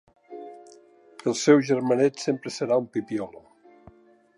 El seu germanet sempre serà un pipiolo.